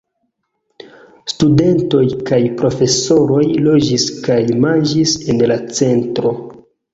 Studentoj kaj profesoroj loĝis kaj manĝis en la centro.